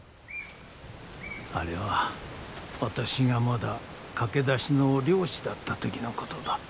あれは私がまだ駆け出しの猟師だった時のことだ。